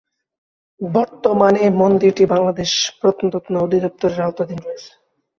বর্তমানে মন্দিরটি বাংলাদেশ প্রত্নতত্ত্ব অধিদপ্তরের আওতাধীন রয়েছে।